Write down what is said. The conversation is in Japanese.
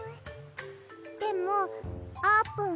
でもあーぷん